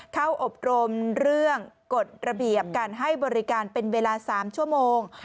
อบรมเรื่องกฎระเบียบการให้บริการเป็นเวลา๓ชั่วโมง